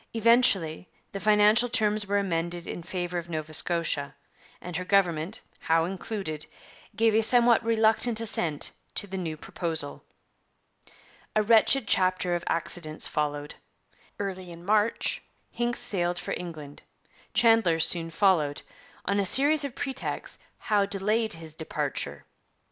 Eventually the financial terms were amended in favour of Nova Scotia, and her government, Howe included, gave a somewhat reluctant assent to the new proposal. A wretched chapter of accidents followed. Early in March Hincks sailed for England; Chandler soon followed; on a series of pretexts Howe delayed his departure.